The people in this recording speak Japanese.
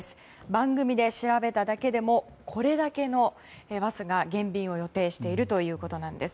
番組で調べただけでもこれだけのバスが減便を予定しているということなんです。